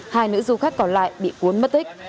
hai nữ du khách còn lại bị cuốn mất tích